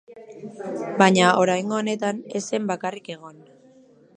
Baina, oraingo honetan, ez zen bakarrik egon.